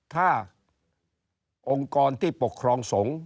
ถ้าองค์กรที่ปกครองสงฆ์